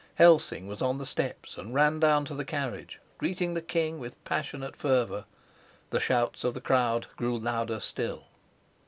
Helsing was on the steps, and ran down to the carriage, greeting the king with passionate fervor. The shouts of the crowd grew louder still.